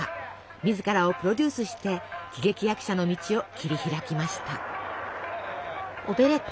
自らをプロデュースして喜劇役者の道を切り開きました。